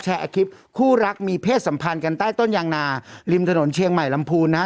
คลิปคู่รักมีเพศสัมพันธ์กันใต้ต้นยางนาริมถนนเชียงใหม่ลำพูนนะฮะ